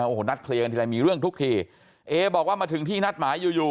โอ้โหนัดเคลียร์กันทีละมีเรื่องทุกทีเอบอกว่ามาถึงที่นัดหมายอยู่อยู่